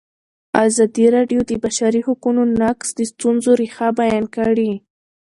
ازادي راډیو د د بشري حقونو نقض د ستونزو رېښه بیان کړې.